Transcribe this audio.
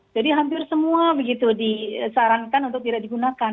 jadi hampir semua begitu disarankan untuk tidak digunakan